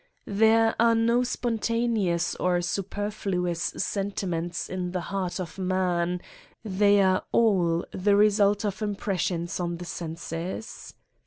There are no spontaneous or superfluous sentiments in the heart of man ; they are all the result of impressions on the senses.